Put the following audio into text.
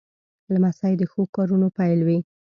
لمسی د ښو کارونو پیل وي.